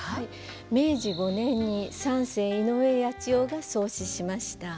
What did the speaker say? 明治５年に三世井上八千代が創始しました。